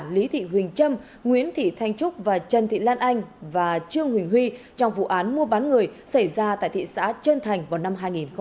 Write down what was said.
lý thị huỳnh trâm nguyễn thị thanh trúc và trần thị lan anh và trương huỳnh huy trong vụ án mua bán người xảy ra tại thị xã trơn thành vào năm hai nghìn một mươi bảy